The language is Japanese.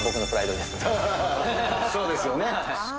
そうですよね。